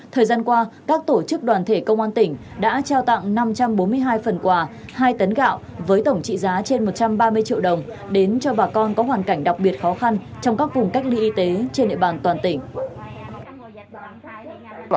thời gian qua các tổ chức đoàn thể công an tỉnh đã trao tặng năm trăm bốn mươi hai phần quà hai tấn gạo với tổng trị giá trên một trăm ba mươi triệu đồng đến cho bà con có hoàn cảnh đặc biệt khó khăn trong các vùng cách ly y tế trên địa bàn toàn tỉnh